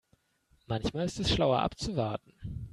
Manchmal ist es schlauer abzuwarten.